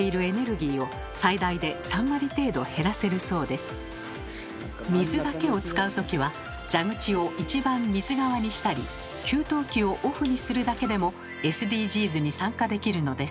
水だけを使えば今水だけを使うときは蛇口を一番水側にしたり給湯器をオフにするだけでもＳＤＧｓに参加できるのです。